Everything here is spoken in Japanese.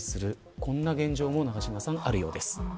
こんな現状もあるようです。